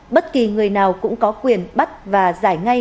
bất kỳ người nào cũng có quyền bắt và giải ngay